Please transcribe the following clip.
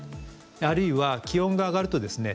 あるいは気温が上がるとですね